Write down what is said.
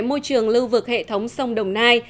môi trường lưu vực hệ thống sông đồng nai